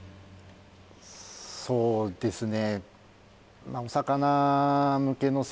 そうですね